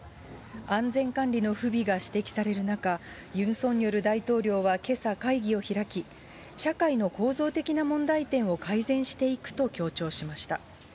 安全管理の不備が指摘される中、ユン・ソンニョル大統領はけさ、会議を開き、社会の構造的な問題点を改善していくと強調しました。